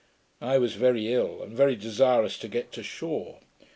I was very ill, and very desirous to get to shore.